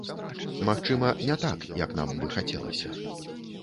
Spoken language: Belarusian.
Магчыма, не так, як нам бы хацелася.